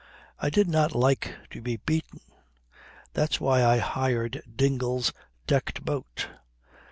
I did not like to be beaten. That's why I hired Dingle's decked boat.